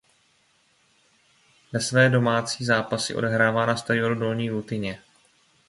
Své domácí zápasy odehrává na stadionu Dolní Lutyně.